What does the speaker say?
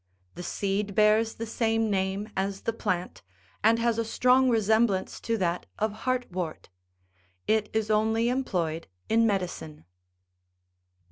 The seed bears the same name as the plant, and has a strong resemblance to that of hart wort : it is only employed in medicine.